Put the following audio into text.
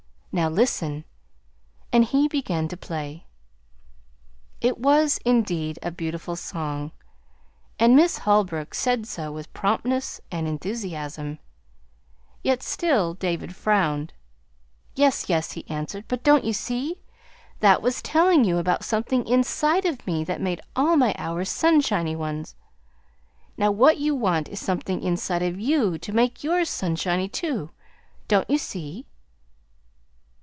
Now, listen!" And he began to play. It was, indeed, a beautiful song, and Miss Holbrook said so with promptness and enthusiasm; yet still David frowned. "Yes, yes," he answered, "but don't you see? That was telling you about something inside of me that made all my hours sunshiny ones. Now, what you want is something inside of you to make yours sunshiny, too. Don't you see?"